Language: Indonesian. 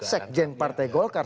sekjen partai gokar